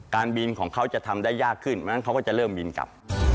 การบินของเขาจะทำได้ยากขึ้นเพราะฉะนั้นเขาก็จะเริ่มบินกลับ